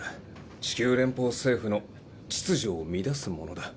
地球連邦政府の秩序を乱す者だ。